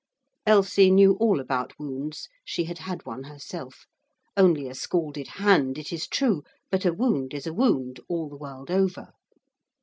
Elsie knew all about wounds: she had had one herself. Only a scalded hand, it is true, but a wound is a wound, all the world over.